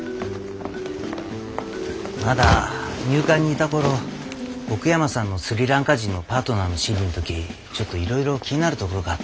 まだ入管にいた頃奥山さんのスリランカ人のパートナーの審理の時ちょっといろいろ気になるところがあって。